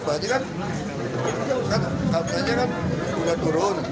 bahkan kan katanya kan sudah turun